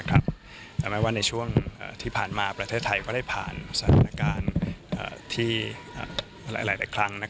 แต่แม้ว่าในช่วงที่ผ่านมาประเทศไทยก็ได้ผ่านสถานการณ์ที่หลายครั้ง